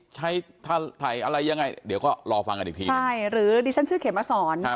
ใช้ท่าไทยอะไรยังไงเดี๋ยวก็รอฟังกันอีกทีใช่หรือดิจันทร์ชื่อเขมสร